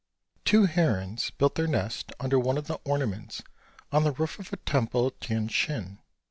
Two herons built their nests under one of the ornaments on the roof of a temple at Tientsin.